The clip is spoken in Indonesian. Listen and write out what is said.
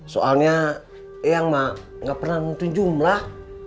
soalnya eyang mak nggak pernah nuntun jumlah